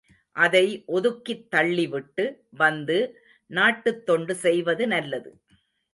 அதை ஒதுக்கித் தள்ளிவிட்டு வந்து, நாட்டுத் தொண்டு செய்வது நல்லது.